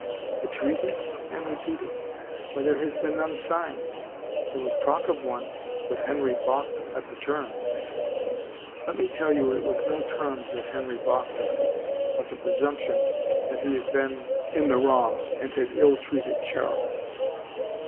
" The treaty? " Anne repeated. " Why there has been none signed. There was talk of one — but Henry balked at the terms." " Let me tell you it was no terms that Henry balked at but the presumption that he had been in the wrong 3^3 THE FAVOR OF KINGS and had ill Seated Qiarles.